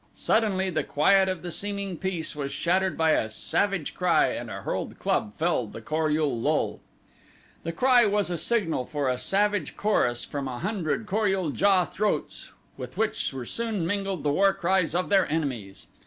Suddenly the quiet of that seeming peace was shattered by a savage cry and a hurled club felled a Kor ul lul. The cry was a signal for a savage chorus from a hundred Kor ul JA throats with which were soon mingled the war cries of their enemies.